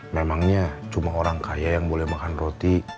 memangnya cuma orang kaya yang boleh makan roti